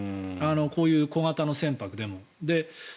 こういう小型の船舶でも。